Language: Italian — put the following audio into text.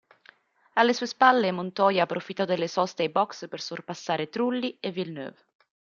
Alle sue spalle Montoya approfittò delle soste ai box per sorpassare Trulli e Villeneuve.